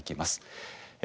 え